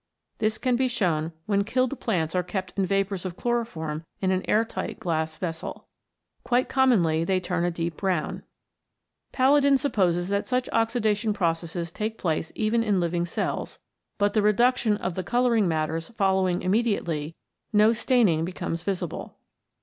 This can be shown when killed plants are kept in vapours of chloroform in an air tight glass vessel. Quite commonly they turn a deep brown. Palladin supposes that such oxida tion processes take place even in living cells, but the reduction of the colouring matters following immediately, no staining becomes visible.